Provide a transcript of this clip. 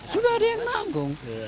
sudah ada yang nanggung